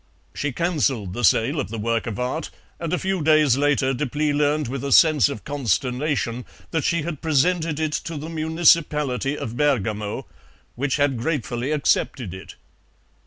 She cancelled the sale of the work of art, and a few days later Deplis learned with a sense of consternation that she had presented it to the municipality of Bergamo, which had gratefully accepted it.